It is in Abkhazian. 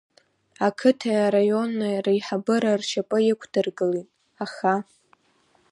Ақыҭеи араиони реиҳабыра ршьапы иқәдыргылеит, аха…